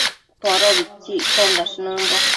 Podobitsi iccosh nëmbo